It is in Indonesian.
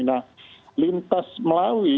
nah lintas melawi